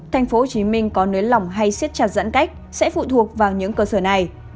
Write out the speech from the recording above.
thành phố hồ chí minh có nới lỏng hay siết chặt giãn cách sẽ phụ thuộc vào những cơ sở này